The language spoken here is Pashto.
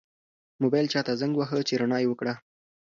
موبایل چا ته زنګ واهه چې رڼا یې وکړه؟